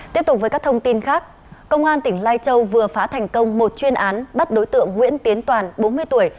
tiếp tục với các thông tin khác công an tỉnh lai châu vừa phá thành công một chuyên án bắt đối tượng nguyễn tiến toàn bốn mươi tuổi